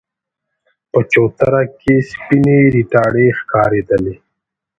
په چوتره کې سپينې ريتاړې ښکارېدلې.